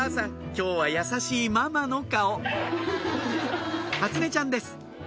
今日は優しいママの顔初音ちゃんです